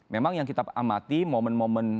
memang yang kita amati momen momen